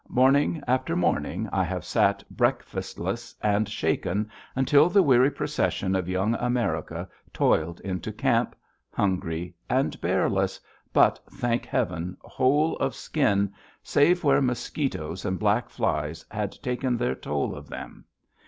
Morning after morning, I have sat breakfastless and shaken until the weary procession of young America toiled into camp, hungry and bearless, but, thank Heaven, whole of skin save where mosquitoes and black flies had taken their toll of them.